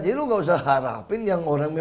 jadi lu gak usah harapin yang orang